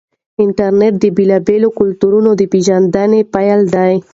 انټرنیټ د بېلابېلو کلتورونو د پیژندنې پل دی.